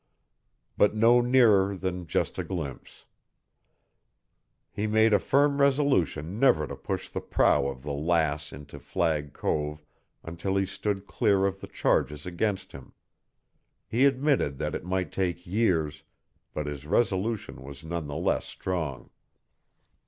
But no nearer than just a glimpse. He made a firm resolution never to push the prow of the Lass into Flagg Cove until he stood clear of the charges against him. He admitted that it might take years, but his resolution was none the less strong.